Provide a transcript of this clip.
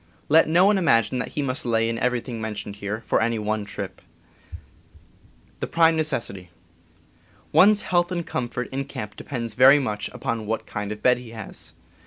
Let no one imagine that he must lay in everything mentioned here, for any one trip. One's health and comfort in camp depend very much upon what kind of bed he has.